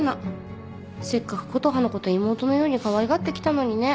せっかく琴葉のこと妹のようにかわいがってきたのにね。